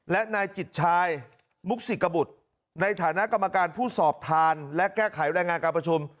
และนายจิตชายมุกศิกบุตรในฐานะกรรมการผู้สอบทานและแก้ไขรายงานการประชุม